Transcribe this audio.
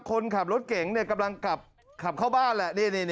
คนขับรถเก๋งกำลังกลับขับเข้าบ้านแหละ